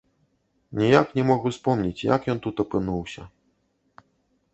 Ніяк не мог успомніць, як ён тут апынуўся.